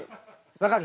分かる？